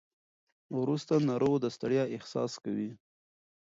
وروسته ناروغ د ستړیا احساس کوي.